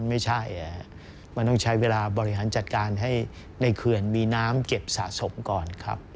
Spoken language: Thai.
ไม่ใช่มันต้องใช้เวลาบริหารจัดการให้ในเขื่อนมีน้ำเก็บสะสมก่อนครับ